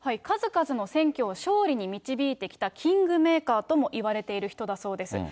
数々の選挙を勝利に導いてきたキングメーカーともいわれている人だそうです。